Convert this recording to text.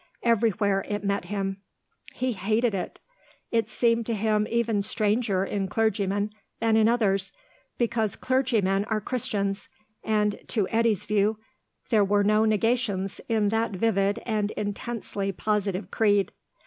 Everywhere it met him. He hated it. It seemed to him even stranger in clergymen than in others, because clergymen are Christians, and, to Eddy's view, there were no negations in that vivid and intensely positive creed.